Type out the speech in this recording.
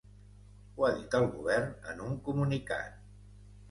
Ho ha dit el govern en un comunicat.